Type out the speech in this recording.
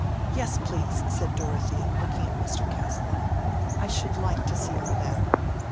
"Yes, please," said Dorothea, looking at Mr. Casaubon, "I should like to see all that."